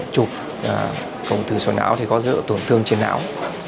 chụp công thử sổ não có dựa tổn thương trên não